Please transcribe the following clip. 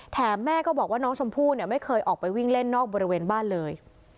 แม่ก็บอกว่าน้องชมพู่เนี่ยไม่เคยออกไปวิ่งเล่นนอกบริเวณบ้านเลย